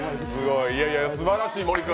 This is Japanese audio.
すばらしい森君。